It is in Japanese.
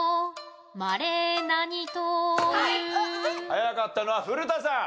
早かったのは古田さん。